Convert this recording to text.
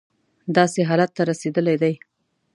داسې حالت ته رسېدلی دی.